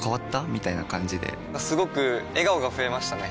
みたいな感じですごく笑顔が増えましたね！